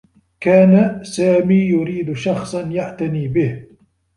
كان سامي يريد شخصا يعتني به.